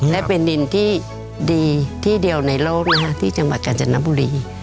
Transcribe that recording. และเป็นดินที่ดีที่เดียวในโลกนะฮะที่จังหวัดกาญจนบุรี